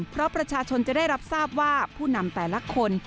เพราะประชาชนจะได้รับทราบว่าผู้นำแต่ละคน